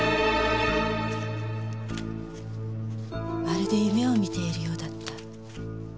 〔まるで夢を見ているようだった〕